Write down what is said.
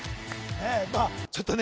まあちょっとね